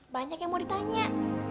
banyak yang mau ditanya